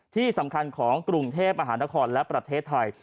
ที่สำคัญของกรุงเทพมหานครและประเทศไทย